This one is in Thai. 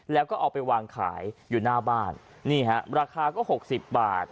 แล้วก็เอาไปวางขายอยู่หน้าบ้านนี่ฮะราคาก็หกสิบบาท